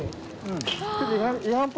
うん。